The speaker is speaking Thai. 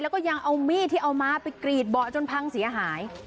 แล้วก็ยังเอามีดที่เอาม้าไปกรีดเบาะจนพังเสียหาย